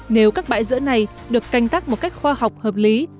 nếu các bãi dữa này được canh tắc một cách khoa học hợp lý